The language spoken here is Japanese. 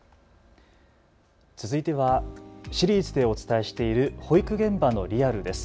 続いてはシリーズでお伝えしている保育現場のリアルです。